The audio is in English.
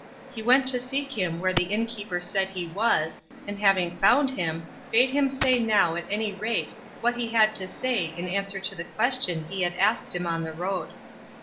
He went to seek him where the innkeeper said he was and having found him, bade him say now at any rate what he had to say in answer to the question he had asked him on the road.